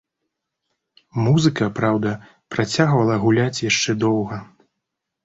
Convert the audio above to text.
Музыка, праўда, працягвала гуляць яшчэ доўга.